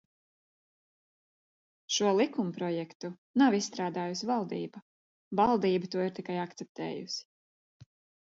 Šo likumprojektu nav izstrādājusi valdība, valdība to ir tikai akceptējusi.